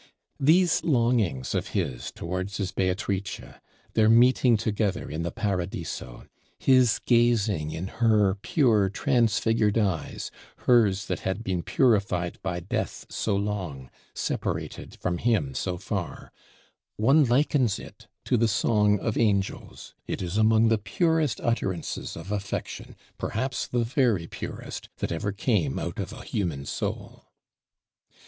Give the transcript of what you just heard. These longings of his towards his Beatrice; their meeting together in the 'Paradiso'; his gazing in her pure transfigured eyes, hers that had been purified by death so long, separated from him so far: one likens it to the song of angels; it is among the purest utterances of affection, perhaps the very purest, that ever came out of a human soul.